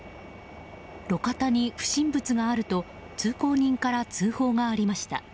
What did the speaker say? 路肩に不審物があると通行人から通報がありました。